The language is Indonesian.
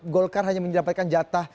golkar hanya mendapatkan jatah